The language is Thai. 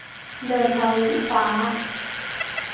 เดินทะลุฟ้า